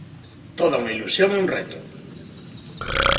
Toda unha ilusión e un reto!